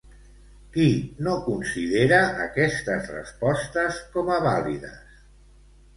Qui no considera aquestes respostes com a vàlides?